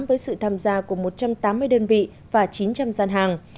với sự tham gia của một trăm tám mươi đơn vị và chín trăm linh gian hàng